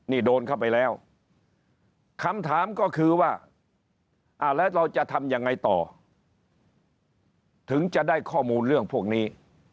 นี่โดนเข้าไปแล้วคำถามก็คือว่าแล้วเราจะทำยังไงต่อถึงจะได้ข้อมูลเรื่องพวกนี้